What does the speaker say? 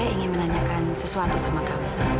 saya ingin menanyakan sesuatu sama kami